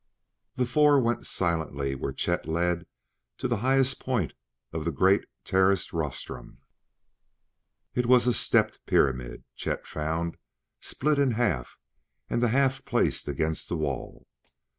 The four went silently where Chet led to the highest point of the great terraced rostrum. It was a stepped pyramid, Chet found, split in half and the half placed against the wall.